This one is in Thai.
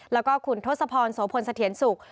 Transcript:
แล้วก็คุณทศพรโสพลสะเทียนสุข